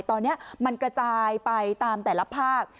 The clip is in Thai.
ตอนนี้มันกระจายไปตามแต่ละภาค